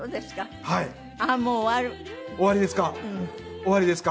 終わりですか？